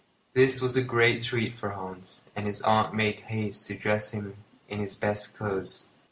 This was a great treat for Hans, and his aunt made haste to dress him in his best clothes.